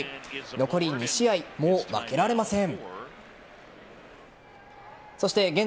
残り２試合、もう負けられません。